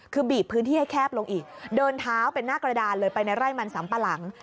คือบีบพื้นที่ให้แคบลงอีกเดินเท้าเป็นหน้ากระดานเลยไปในไร่มันสัมปะหลัง